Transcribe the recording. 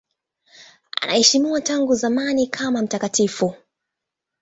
Anaheshimiwa tangu zamani kama mtakatifu.